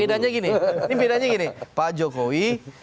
ada gerakan gerakan mendeklarasi